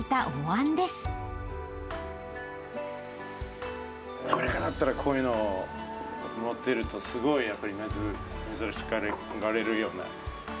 アメリカだったら、こういうの持ってると、すごいやっぱり珍しがられるような。